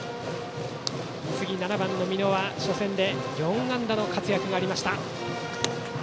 次７番の美濃は初戦で４安打の活躍がありました。